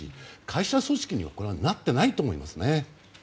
会社組織になってないと思いますね。